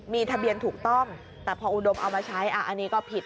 มีทะเบียนถูกต้องแต่พออุดมเอามาใช้อันนี้ก็ผิด